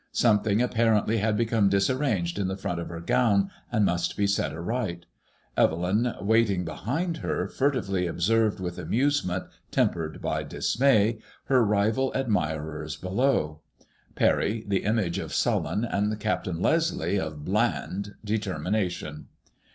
Something apparently had become disarranged in the front of her gown and must be set right. Evelyn waiting behind her, furtively observed with amusement, tempered by dismay. ^ MADBMOISKLLB IXX. 153 her rival admirers below. Parry the image of sullen, and Captain Leslie of bland, determination.